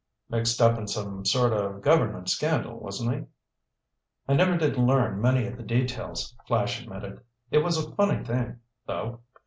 "Mixed up in some sort of government scandal, wasn't he?" "I never did learn many of the details," Flash admitted. "It was a funny thing, though.